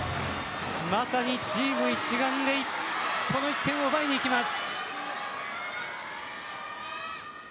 まさにチーム一丸でこの１点を奪いにいきます。